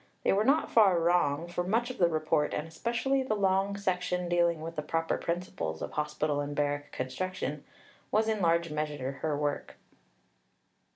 They were not far wrong, for much of the Report, and especially the long section dealing with the proper principles of Hospital and Barrack Construction, was in large measure her work.